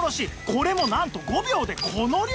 これもなんと５秒でこの量！